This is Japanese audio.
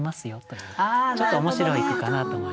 ちょっと面白い句かなと思います。